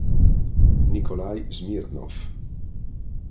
Nikolaj Smirnov